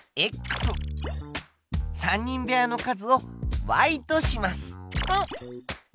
３人部屋の数をとします。